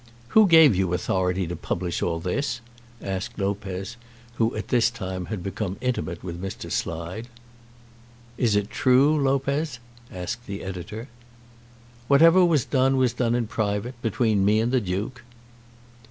"Who gave you authority to publish all this?" asked Lopez, who at this time had become intimate with Mr. Slide. "Is it true, Lopez?" asked the editor. "Whatever was done was done in private, between me and the Duke."